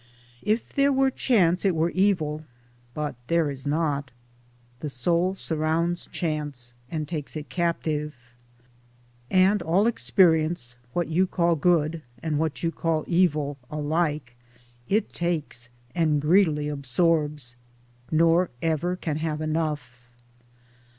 If there were chance, it were evil : but there is not. The soul surrounds chance and takes it captive; And all experience — what you call good and what you call evil, alike — it takes and greedily absorbs, nor ever can have enough.